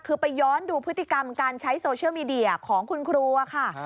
คือไปย้อนดูพฤติกรรมการใช้โซเชียลมีเดียของคุณครูค่ะ